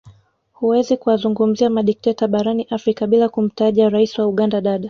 Huwezi kuwazungumzia madikteta barani afrika bila kumtaja Rais wa Uganda Dada